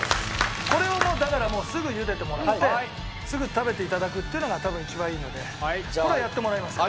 これをだからもうすぐゆでてもらってすぐ食べて頂くっていうのが多分一番いいのでこれはやってもらいますから。